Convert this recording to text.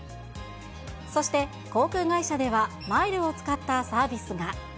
そして、航空会社では、マイルを使ったサービスが。